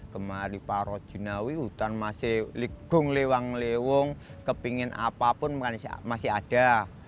kemari parojunawi hutan masih ligung lewang lewung kepingin apapun masih ada